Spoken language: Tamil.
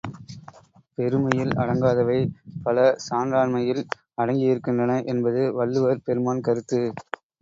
பெருமையில் அடங்காதவை பலசான்றாண்மையில் அடங்கியிருக்கின்றன என்பது வள்ளுவர்பெருமான்கருத்து.